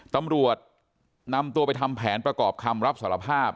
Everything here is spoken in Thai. ตำรวจนำตัวไปทำแผนประกอบคำรับสารภาพ